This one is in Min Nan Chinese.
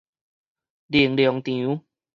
能量場